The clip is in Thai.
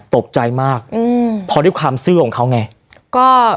ตกใจมากอืมพอด้วยความซื่อของเขาไง